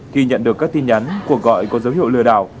khi nhận được các tin nhắn cuộc gọi có dấu hiệu lừa đảo